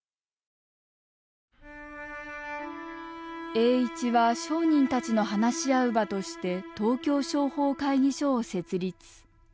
栄一は商人たちの話し合う場として東京商法会議所を設立。